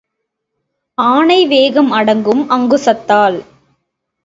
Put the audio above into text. ஆனை வேகம் அடங்கும் அங்குசத்தால்.